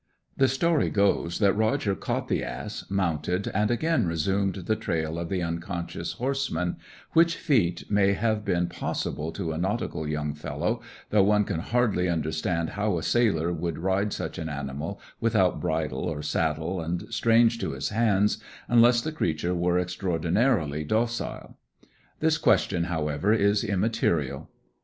The story goes that Roger caught the ass, mounted, and again resumed the trail of the unconscious horseman, which feat may have been possible to a nautical young fellow, though one can hardly understand how a sailor would ride such an animal without bridle or saddle, and strange to his hands, unless the creature were extraordinarily docile. This question, however, is immaterial.